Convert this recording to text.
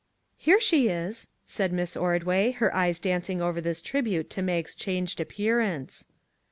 " Here she is," said Miss Ordway, her eyes dancing over this tribute to Mag's changed appearance.